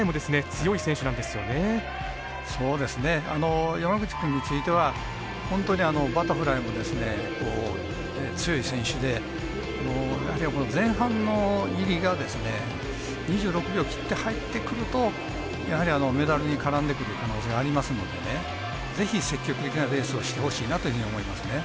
そうですね山口君については本当にバタフライもですね強い選手でやはりこの前半の入りがですね２６秒切って入ってくるとやはりメダルに絡んでくる可能性ありますのでね是非積極的なレースをしてほしいなというふうに思いますね。